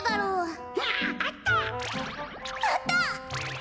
あった！